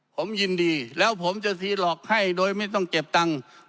ผมยินดีแล้วผมจะซีหลอกให้โดยไม่ต้องเก็บตังค์